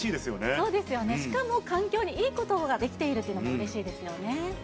そうですよね、しかも環境にいいことができているというのがうれしいですよね。